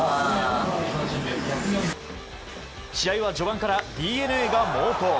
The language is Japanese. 試合は序盤からＤｅＮＡが猛攻。